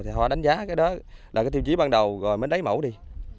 thì họ đánh giá cái đó là cái tiêu chí ban đầu rồi mới lấy mẫu đi